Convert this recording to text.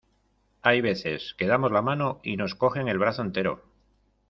Hay veces que damos la mano, y nos cogen el brazo entero.